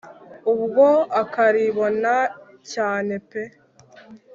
ubwo akaribona, cyane pe